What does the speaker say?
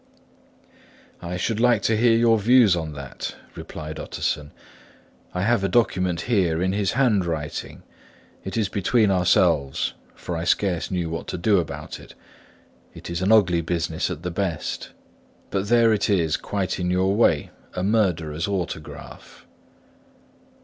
"I should like to hear your views on that," replied Utterson. "I have a document here in his handwriting; it is between ourselves, for I scarce know what to do about it; it is an ugly business at the best. But there it is; quite in your way: a murderer's autograph."